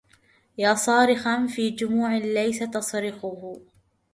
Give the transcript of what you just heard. يا صارخا في جموع ليس تصرخه